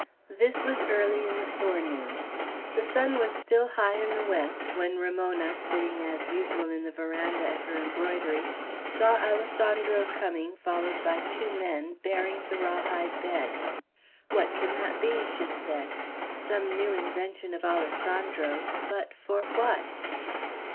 This was early in the forenoon. The sun was still high in the west, when Ramona, sitting as usual in the veranda, at her embroidery, saw Alessandro coming, followed by two men, bearing the raw hide bed. "What can that be?" she said. "Some new invention of Alessandro's, but for what?"